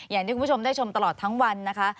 อย่างที่คุณผู้ชมได้ชมตลอดทั้งวันนะคะ